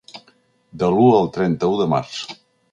De l'u al trenta-u de Març.